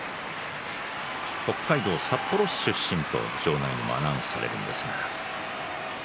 北海道札幌市出身と場内アナウンスで紹介されています。